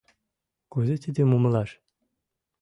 Кузе тидым умылаш?»